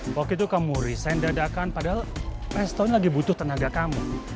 waktu itu kamu riset dadakan padahal restoran lagi butuh tenaga kamu